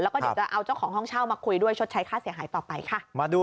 แล้วก็เดี๋ยวจะเอาเจ้าของห้องเช่ามาคุยด้วยชดใช้ค่าเสียหายต่อไปค่ะ